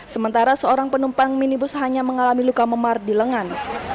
sementara seorang penumpang minibus hanya mengalami luka memar di lengan